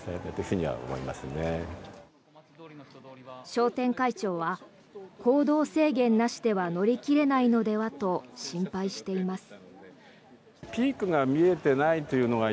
商店会長は行動制限なしでは乗り切れないのではと心配しています。